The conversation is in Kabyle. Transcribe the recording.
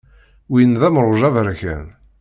Win d amruj aberkan.